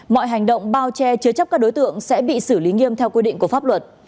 mọi hành động bao che chứa chấp các đối tượng sẽ bị xử lý nghiêm theo quy định của pháp luật